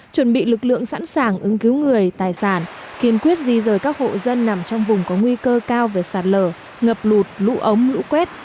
chuẩn bị lực lượng sẵn sàng ứng cứu người tài sản kiên quyết di rời các hộ dân nằm trong vùng có nguy cơ cao về sạt lở ngập lụt lũ ống lũ quét